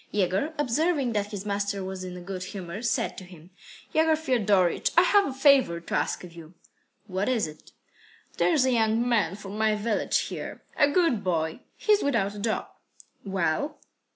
Yegor, observing that his master was in a good humour, said to him: "Yegor Fiodorych, I have a favour to ask of you." "What is it?" "There's a young man from my village here, a good boy. He's without a job." "Well?"